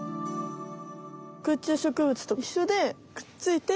空中植物といっしょでくっついて。